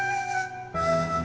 ya makasih banyak